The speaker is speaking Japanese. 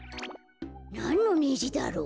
なんのねじだろう？